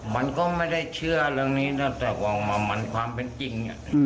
มันก็ไม่ได้เชื่อเรื่องนี้นะแต่ว่ามันความเป็นจริง